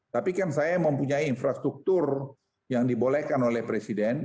tapi kan saya mempunyai infrastruktur yang dibolehkan oleh presiden